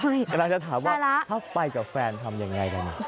กำลังจะถามว่าถ้าไปกับแฟนทำยังไงกัน